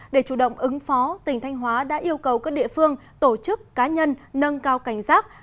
để chủ động ứng phó tỉnh thanh hóa đã yêu cầu các địa phương tổ chức cá nhân nâng cao cảnh giác